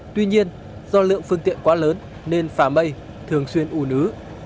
tuy nhiên do lượng phương tiện quá lớn nên phà mây thường xuyên ủ nứ